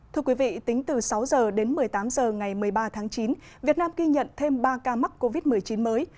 thưa quý vị tính từ sáu h đến một mươi tám h ngày một mươi ba tháng chín việt nam ghi nhận thêm ba ca mắc covid một mươi chín mới